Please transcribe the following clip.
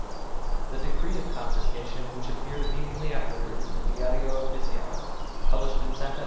The decree of confiscation which appeared immediately afterwards in the Diario Official, published in Sta.